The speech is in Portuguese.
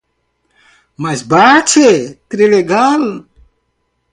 Mas bah tchê, trilegal